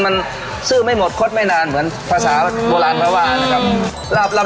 มันซื่อไม่หมดคดไม่นานเหมือนภาษาโบราณเขาว่านะครับ